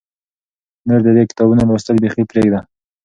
نور د دې کتابونو لوستل بیخي پرېږده.